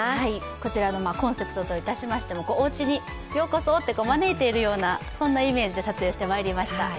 こちらのコンセプトといたしましても、おうちにようこそって、招いているようなイメージで撮影しました。